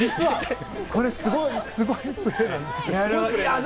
実はこれすごいプレーなんです。